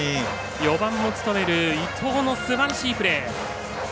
４番も務める伊藤のすばらしいプレー。